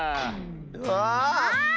ああ！